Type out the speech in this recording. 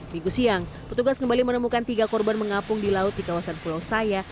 minggu siang petugas kembali menemukan tiga korban mengapung di laut di kawasan pulau saya